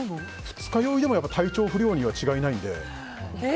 二日酔いでも体調不良には違いないので。